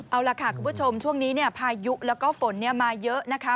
เอาล่ะค่ะคุณผู้ชมช่วงนี้เนี่ยพายุแล้วก็ฝนมาเยอะนะคะ